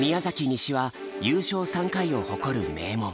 西は優勝３回を誇る名門。